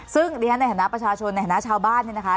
ซึ่งดิฉันในฐานะประชาชนในฐานะชาวบ้านเนี่ยนะคะ